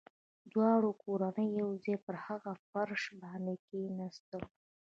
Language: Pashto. دواړه کورنۍ يو ځای پر هغه فرش باندې کښېناستلې.